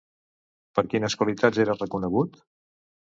Per quines qualitats era reconegut?